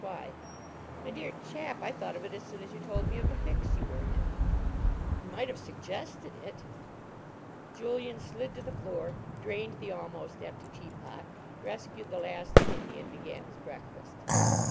Why?" "My dear chap, I thought of it as soon as you told me of the fix you were in." "You might have suggested it." Julian slid to the floor, drained the almost empty teapot, rescued the last kidney, and began his breakfast.